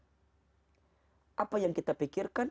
karena apa yang kita pikirkan